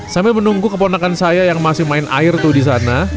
sampai menunggu keponakan saya yang masih main air tuh disana